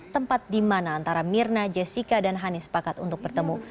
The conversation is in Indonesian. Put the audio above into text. tempat di mana antara mirna jessica dan hani sepakat untuk bertemu